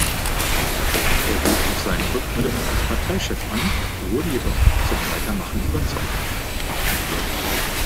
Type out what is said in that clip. Er bot auch seinen Rücktritt als Parteichef an, wurde jedoch zum Weitermachen überzeugt.